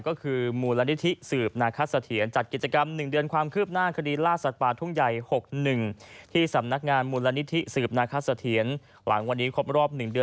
ก็คือมูลนิธิสืบนาคัตเสถียร